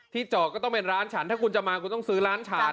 จอดก็ต้องเป็นร้านฉันถ้าคุณจะมาคุณต้องซื้อร้านฉัน